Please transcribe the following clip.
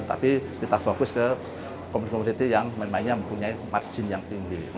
tapi kita fokus ke komoditi komoditi yang memangnya mempunyai margin yang tinggi